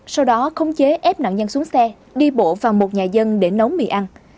sau đó khống chế ép nạn nhân xuống xe đi bộ vào một nhà dân để nấu mì ăn